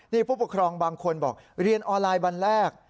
นี่ผู้ปกครองบางคนบอกเรียนออนไลน์วันแรก